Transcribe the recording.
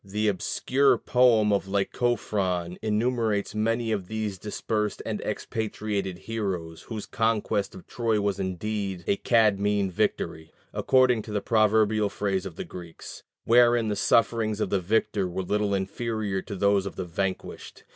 The obscure poem of Lycophron enumerates many of these dispersed and expatriated heroes, whose conquest of Troy was indeed a "Cadmean" victory (according to the proverbial phrase of the Greeks), wherein the sufferings of the victor were little inferior to those of the vanquished.